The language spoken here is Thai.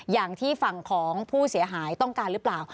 อย่างที่ฝั่งของผู้เสียหายต้องการหรือเปล่า